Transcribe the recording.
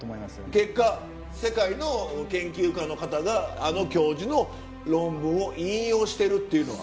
結果世界の研究家の方があの教授の論文を引用してるっていうのは。